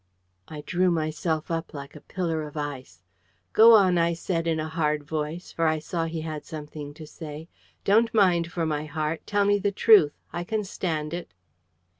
I drew myself up like a pillar of ice. "Go on," I said, in a hard voice; for I saw he had something to say. "Don't mind for my heart. Tell me the truth. I can stand it."